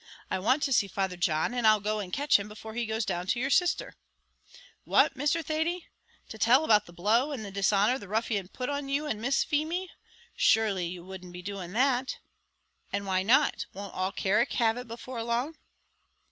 I want to see Father John; and I'll go and catch him before he goes down to your sisther." "What, Mr. Thady! to tell about the blow, and the dishonour the ruffian put on you and Miss Feemy? shurely you wouldn't be doing that." "And why not? won't all Carrick have it before long?"